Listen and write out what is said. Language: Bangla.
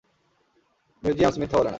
মিউজিয়ামস মিথ্যা বলে না!